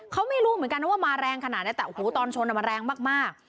เขาไม่รู้เหมือนกันนะว่ามาแรงขนาดไหนแต่โอ้โหตอนชนมันแรงมาก